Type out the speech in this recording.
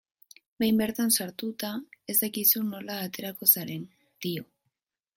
Behin bertan sartuta, ez dakizu nola aterako zaren, dio.